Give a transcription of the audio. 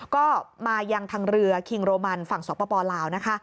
ก็มายังทางเรือคิงโรมันฝั่งสปลาวนะคะ